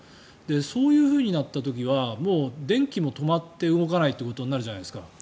そういうふうになった時は電気も止まって動かないってことになるじゃないですか。